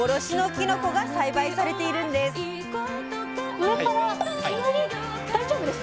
上から大丈夫ですか？